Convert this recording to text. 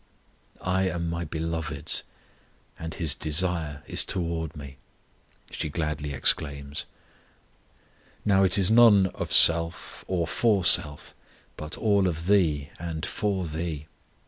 I am my Beloved's, And His desire is toward me, she gladly exclaims. Now it is none of self or for self, but all of Thee and for Thee.